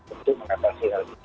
untuk mengatasi hal ini